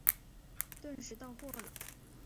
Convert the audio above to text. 顿时到货了